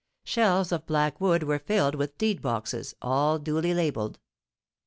Shelves of black wood were filled with deed boxes, all duly labelled.